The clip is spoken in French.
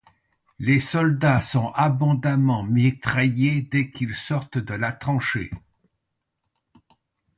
Les soldats sont abondamment mitraillés dès qu'ils sortent de la tranchée.